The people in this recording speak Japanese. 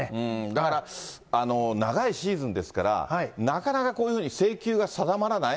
だから、長いシーズンですから、なかなかこういうふうに制球が定まらない。